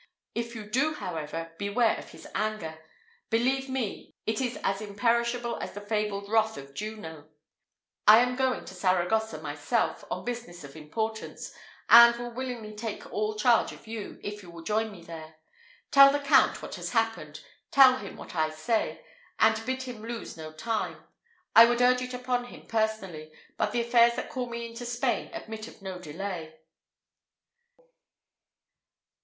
If you do, however, beware of his anger. Believe me, it is as imperishable as the fabled wrath of Juno. I am going to Saragossa myself upon business of importance, and will willingly take all charge of you, if you will join me there. Tell the Count what has happened tell him what I say, and bid him lose no time I would urge it upon him personally, but the affairs that call me into Spain admit of no delay."